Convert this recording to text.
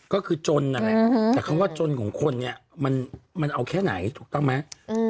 ก็คือจนแต่คำว่าจนของคนนี้มันเอาแค่ไหนถูกต้องไหม